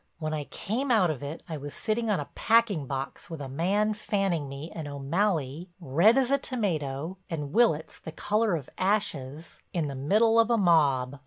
When I came out of it I was sitting on a packing box with a man fanning me and O'Malley, red as a tomato and Willitts the color of ashes in the middle of a mob.